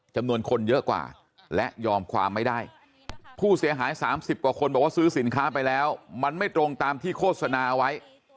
จำนวนคนเยอะกว่าและยอมความไม่ได้ผู้เสียหาย๓๐กว่าคนบอกว่าซื้อสินค้าไปแล้วมันไม่ตรงตามที่โฆษณาเอาไว้